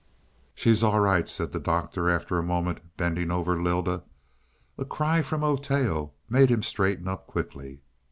"She's all right," said the Doctor after a moment, bending over Lylda. A cry from Oteo made him straighten up quickly.